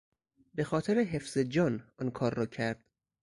به خاطر حفظ جان آن کار را کرد.